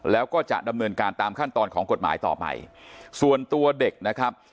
แล้วก็จะดำเนินการตามขั้นตอนของกฎหมายต่อไปส่วนตัวเด็กนะครับ